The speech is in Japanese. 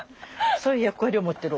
そういう役割を持ってる。